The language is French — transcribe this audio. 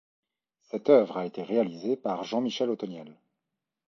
Cette œuvre a été réalisée par Jean-Michel Othoniel.